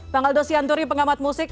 bang aldo sianturi pengamat musik